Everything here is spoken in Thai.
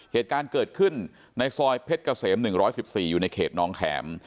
เหตุการณ์เกิดขึ้นในซอยเพชรเกษม๑๑๔อยู่ในเขตน้องแข็ม